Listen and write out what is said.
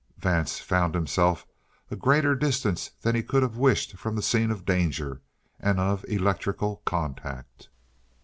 Vance found himself a greater distance than he could have wished from the scene of danger, and of electrical contact.